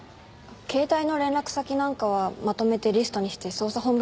携帯の連絡先なんかはまとめてリストにして捜査本部に渡してあります。